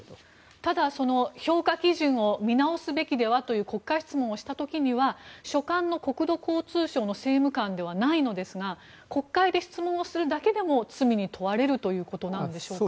ただ評価基準を見直すべきではという国会質問をした時には所管の国土交通省の政務官ではないのですが国会で質問するだけでも罪に問われるということですか。